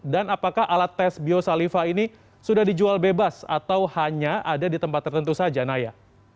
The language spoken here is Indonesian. dan apakah alat tes biosalifah ini sudah dijual bebas atau hanya ada di tempat tertentu saja naya